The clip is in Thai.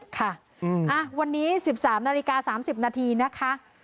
ค่ะวันนี้๑๓นาฬิกา๓๐นาทีนะคะ